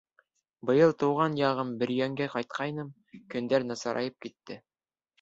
Быйыл тыуған яғым Бөрйәнгә ҡайтҡайным, көндәр насарайып китте.